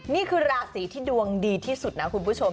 นี่คือราศีที่ดวงดีที่สุดนะคุณผู้ชม